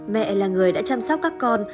mẹ là người đã chăm sóc các con